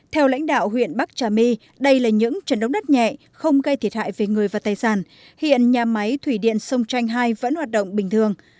theo lãnh đạo huyện bắc trà my đây là những trận động đất nhẹ không gây thiệt hại về người và tài sản hiện nhà máy thủy điện sông chanh hai vẫn hoạt động bình thường